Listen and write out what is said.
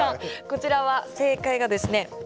こちらは正解がですね